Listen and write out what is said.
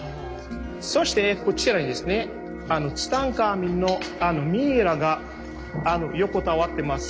そしてこちらにですねツタンカーメンのミイラが横たわってます。